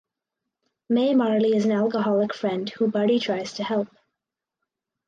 May Marley is an alcoholic friend who Buddy tries to help.